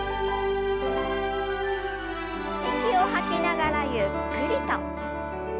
息を吐きながらゆっくりと。